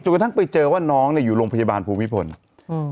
กระทั่งไปเจอว่าน้องเนี้ยอยู่โรงพยาบาลภูมิพลอืม